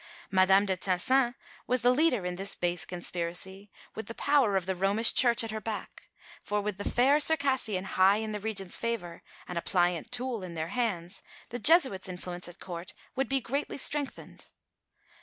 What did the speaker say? Madame de Tencin was the leader in this base conspiracy, with the power of the Romish Church at her back; for with the fair Circassian high in the Regent's favour and a pliant tool in their hands, the Jesuits' influence at Court would be greatly strengthened.